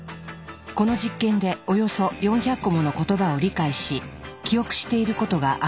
この実験でおよそ４００個もの言葉を理解し記憶していることが明らかになった。